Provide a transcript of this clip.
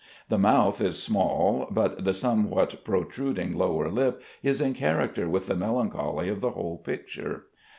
"The mouth is small, but the somewhat protruding lower lip is in character with the melancholy of the whole picture.